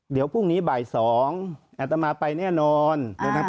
เดี๋ยวพรุ่งนี้บ่ายสองอาจจะมาไปแน่นอน